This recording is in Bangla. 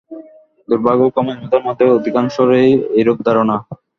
দুর্ভাগ্যক্রমে আমাদের মধ্যে অধিকাংশেরই এইরূপ ধারণা।